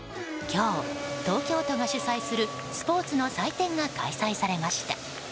今日、東京都が主催するスポーツの祭典が開催されました。